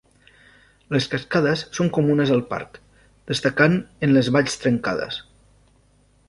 Les Cascades són comunes al parc, destacant en les valls trencades.